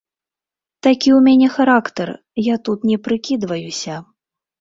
Такі ў мяне характар, я тут не прыкідваюся.